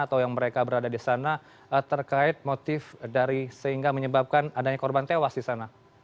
atau yang mereka berada di sana terkait motif dari sehingga menyebabkan adanya korban tewas di sana